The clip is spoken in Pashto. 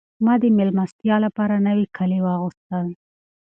ما د مېلمستیا لپاره نوي کالي واغوستل.